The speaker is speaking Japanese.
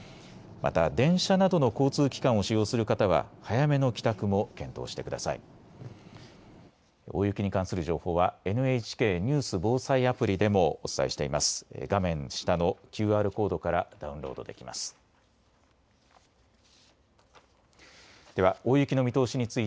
また電車などの交通機関を使用する方は早めの帰宅も検討してください。